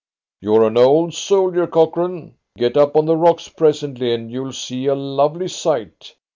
You're an old soldier, Cochrane. Get up on the rocks presently, and you'll see a lovely sight.